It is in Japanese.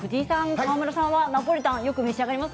川村さんはナポリタンよく召し上がります？